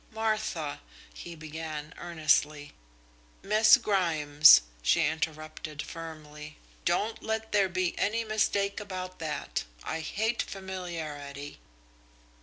"Martha," he began earnestly "Miss Grimes!" she interrupted firmly. "Don't let there be any mistake about that. I hate familiarity."